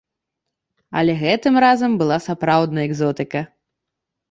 Але гэтым разам была сапраўдная экзотыка!